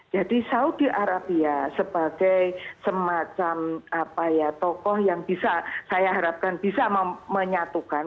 saudi arabia sebagai semacam tokoh yang bisa saya harapkan bisa menyatukan